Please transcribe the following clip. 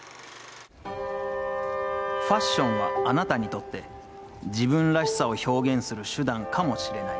「ファッションはあなたにとって、自分らしさを表現する手段かもしれない。